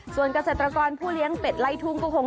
ส่วนกระจัดรกรผู้เลี้ยงเป็ดไล่ทุ่งกระโฮง